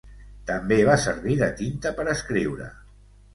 També va servir de tinta per escriure.